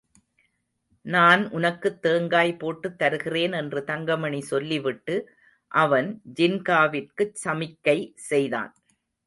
நான் உனக்குத் தேங்காய் போட்டுத் தருகிறேன் என்று தங்கமணி சொல்லி விட்டு அவன் ஜின்காவிற்குச் சமிக்கை செய்தான்.